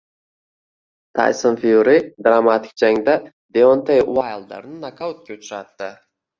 Tayson Fyuri dramatik jangda Deontey Uaylderni nokautga uchratdi